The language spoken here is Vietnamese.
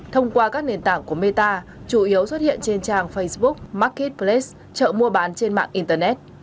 thông qua các nền tảng của meta chủ yếu xuất hiện trên trang facebook mcket pleikt chợ mua bán trên mạng internet